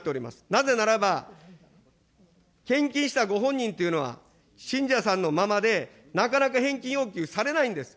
なぜならば、献金したご本人というのは、信者さんのままで、なかなか返金要求されないんです。